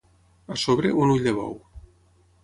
A sobre, un ull de bou.